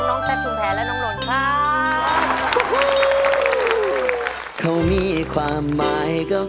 น้องแซ่นสุงแผนและน้องนนดครับ